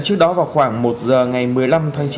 trước đó vào khoảng một giờ ngày một mươi năm tháng chín